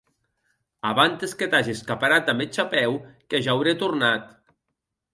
Abantes que t'ages caperat damb eth chapèu que ja aurè tornat.